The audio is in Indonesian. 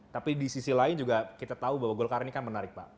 tapi di sisi lain juga kita tahu bahwa golkar ini kan menarik pak